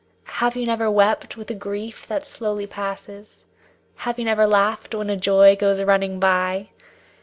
Have you never wept with a grief that slowly passes; Have you never laughed when a joy goes running by?